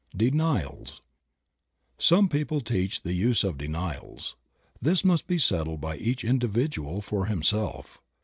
DENIALS. COME people teach the use of denials. This must be settled by each individual for himself.